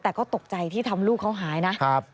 แต่ก็ตกใจที่ทำลูกเขาหายนะ